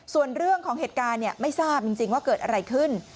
ส่วนเรื่องของเหตุการณ์ไม่ทราบจริงว่าเกิดอะไรขึ้น